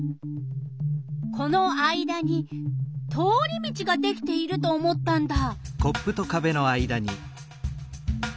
この間に通り道ができていると思ったんだ！